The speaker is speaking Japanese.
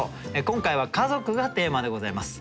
今回は「家族」がテーマでございます。